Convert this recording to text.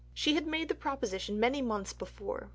She had made the proposition many months before.